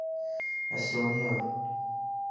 Estonia